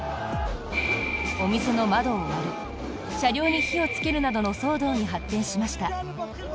お店の窓を割る車両に火をつけるなどの騒動に発展しました。